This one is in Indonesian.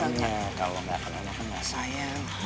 makanya kalau nggak kenal kenal kenal sayang